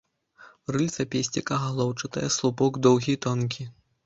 Рыльца песціка галоўчатае, слупок доўгі і тонкі.